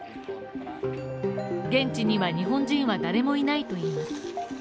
現地には日本人は誰もいないといいます。